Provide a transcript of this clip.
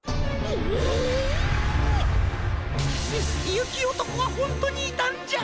ゆゆきおとこはほんとにいたんじゃ！